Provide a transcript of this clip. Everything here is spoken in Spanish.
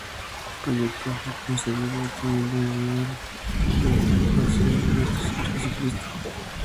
El proyecto fue concebido teniendo como idea central la Pasión de nuestro Señor Jesucristo.